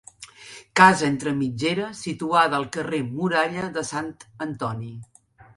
Casa entre mitgeres situada al carrer Muralla de Sant Antoni.